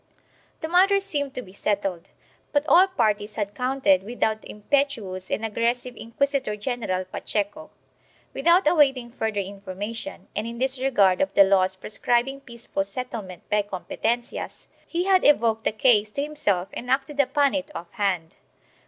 The matter seemed to be settled, but all parties had counted without the impetuous and aggressive Inquisitor general Pacheco. Without awaiting further information, and in disregard of the laws prescribing peaceful settlement by com petencias, he had evoked the case to himself and acted upon it off hand.